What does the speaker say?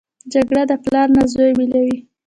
جګړه د پلار نه زوی بېلوي